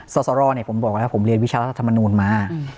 สสรผมเรียนวิชารัฐธรรมนูญมา